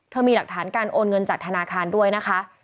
มีหลักฐานการโอนเงินจากธนาคารด้วยนะคะ